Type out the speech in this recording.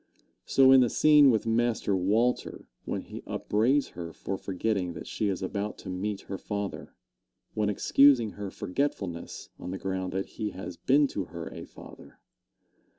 So in the scene with Master Walter, when he upbraids her for forgetting that she is about to meet her father, when excusing her forgetfulness on the ground that he has been to her a father.